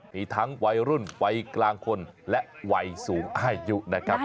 มีทั้งวัยรุ่นวัยกลางคนและวัยสูงอายุนะครับ